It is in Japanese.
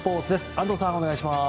安藤さん、お願いします。